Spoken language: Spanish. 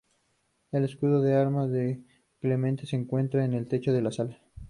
El Escudo de armas de Clemente se encuentra en el techo de la sala.